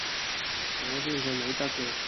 我相信你得嘅